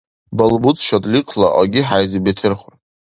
Балбуц шадлихъла аги-хӀяйзиб бетерхур.